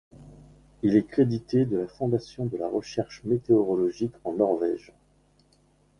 Il est crédité de la fondation de la recherche météorologique en Norvège.